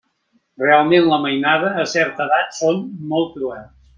Realment la mainada a certa edat són molt cruels.